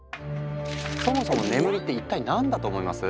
そもそも眠りって一体何だと思います？